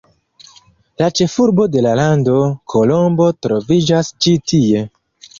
La ĉefurbo de la lando, Kolombo, troviĝas ĉi tie.